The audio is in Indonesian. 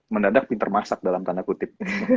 mendadak pinter masak dalam tanda kutip